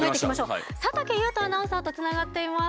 佐竹祐人アナウンサーとつながっています。